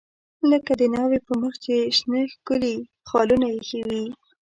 لکه د ناوې په مخ چې شنه ښکلي خالونه ایښي وي.